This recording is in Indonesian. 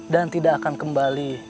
dan tidak akan kembali